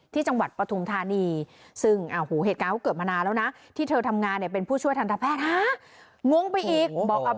ที่จังหวัดปฐุมธานีซึ่งเหตุการณ์ก็เกิดมานานแล้วนะ